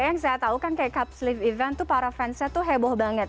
yang saya tahu kan kayak capsleaf event itu para fansnya heboh banget